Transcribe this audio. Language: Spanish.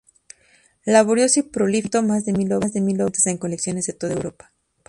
Laborioso y prolífico, pintó más de mil obras, presentes en colecciones de toda Europa.